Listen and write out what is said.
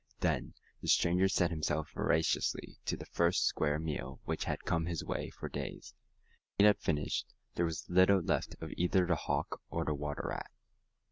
Then the stranger set himself voraciously to the first square meal which had come his way for days. When he had finished, there was little left of either the hawk or the water rat.